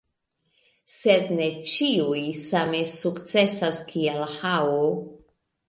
Sed ne ĉiuj same sukcesas kiel Hao.